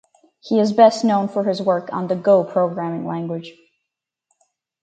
He is best known for his work on the Go programming language.